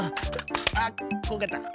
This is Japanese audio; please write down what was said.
あっこけた。